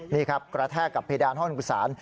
นี่ครับกระแทกกับเพดานห้องบุษาน